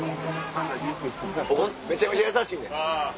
めちゃめちゃ優しいねん。